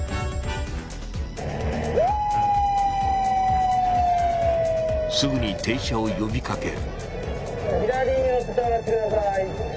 ウーーすぐに停車を呼びかける。